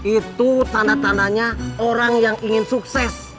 itu tanda tandanya orang yang ingin sukses